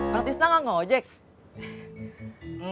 kak tis kamu gak mau